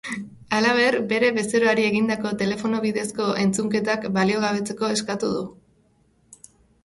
Halaber, bere bezeroari egindako telefono bidezako entzunketak baliogabetzeko eskatu du.